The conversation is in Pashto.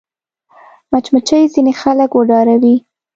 مچمچۍ ځینې خلک وډاروي